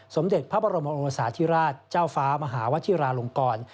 สมเด็จพระบรมโอสาธิราชเจ้าฟ้ามหาวชิราลงกร